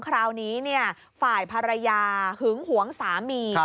คราวนี้ฝ่ายภรรยาหึงหวงสามี